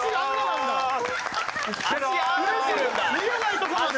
見えないとこまで！